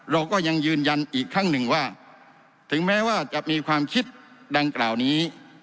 เราก็ยังยืนยันอีกครั้งหนึ่งว่าถึงแม้ว่าจะมีความคิดดังกล่าวนี้